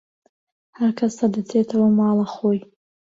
هەرکەسە دەچێتەوە ماڵەخۆی